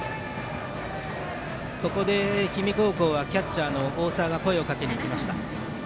ここで氷見高校はキャッチャーの大澤が声をかけにいきました。